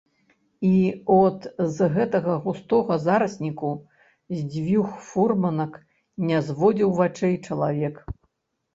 І от з гэтага густога зарасніку з дзвюх фурманак не зводзіў вачэй чалавек.